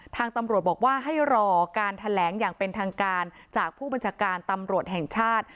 ทางตำรวจบอกว่าให้รอการแถลงอย่างเป็นทางการจากผู้บัญชาการตำรวจแห่งชาติ